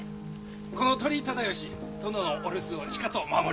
「この鳥居忠吉殿のお留守をしかと守り」。